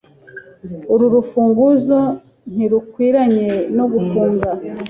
Uru rufunguzo ntirukwiranye no gufunga.